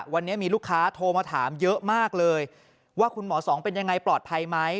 วันนี้มีลูกค้าโทรมาถามเยอะมากเลยว่าคุณหมอสองเป็นยังไงปลอดภัยไหม